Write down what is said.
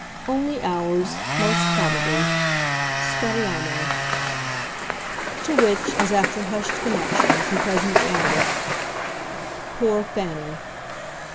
"Only ours most probably. Speriamo." To which, as after hushed connections, he presently added: "Poor Fanny!"